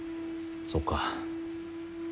そっか。